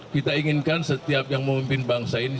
kita inginkan setiap yang memimpin bangsa ini